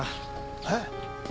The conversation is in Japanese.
えっ？